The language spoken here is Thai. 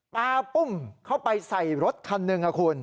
ปลาปุ้มเข้าไปใส่รถคันหนึ่งครับคุณ